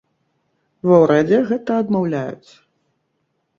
Ва ўрадзе гэта адмаўляюць.